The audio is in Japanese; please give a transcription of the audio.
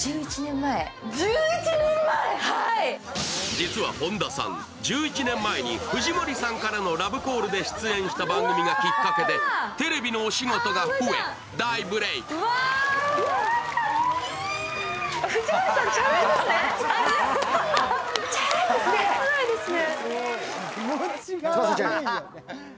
実は本田さん、１１年前に藤森さんからのラブコールで出演した番組がきっかけでテレビのお仕事が増え、大ブレーク藤森さん、チャラいですね。